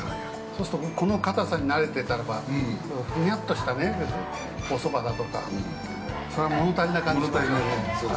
そうするとこのかたさになれてたらばふにゃっとしたおそばだとかそれは物足りなく感じますか。